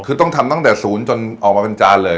คือต้องทำตั้งแต่ศูนย์จนออกมาเป็นจานเลย